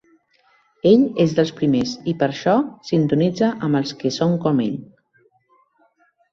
Ell és dels primers i per això sintonitza amb els que són com ell.